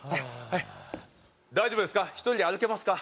はい大丈夫ですか？